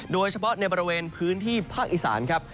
โดยเฉพาะในบริเวณพื้นที่ภาคอีสานครับ